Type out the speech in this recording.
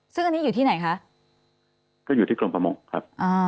ซึ่งอันนี้อยู่ที่ไหนคะก็อยู่ที่กรมประมงครับ